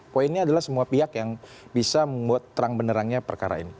poinnya adalah semua pihak yang bisa membuat terang benerangnya perkara ini